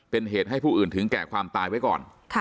เป็นเหตุให้ผู้อื่นถึงแก่ความตายไว้ก่อน